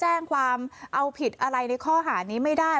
แจ้งความเอาผิดอะไรในข้อหานี้ไม่ได้